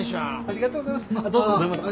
ありがとうございます。